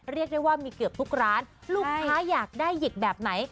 เรียกได้ว่ามีเกือบทุกร้านลูกค้าอยากได้หยิบแบบไหน